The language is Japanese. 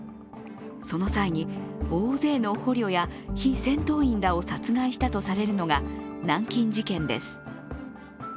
その際に大勢の捕虜や非戦闘員を殺害したとされるのが南京事件です。